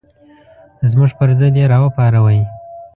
زموږ پر ضد یې راوپاروئ.